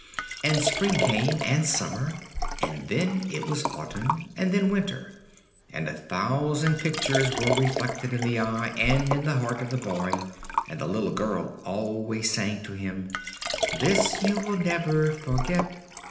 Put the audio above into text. And spring came, and summer; and then it was autumn, and then winter; and a thousand pictures were reflected in the eye and in the heart of the boy; and the little girl always sang to him, "This you will never forget."